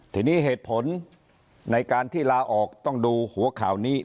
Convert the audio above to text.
ทีนี้เหตุผลในการที่ลาออกต้องดูหัวข่าวนี้